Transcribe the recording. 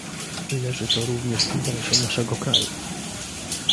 Leży to również w interesie naszego kraju